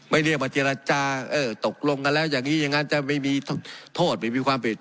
เรียกมาเจรจาเออตกลงกันแล้วอย่างนี้อย่างนั้นจะไม่มีโทษไม่มีความผิด